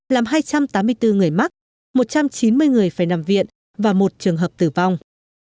làm hai trăm tám mươi bốn người mắc một trăm chín mươi người phải nằm viện và một trường hợp tử vong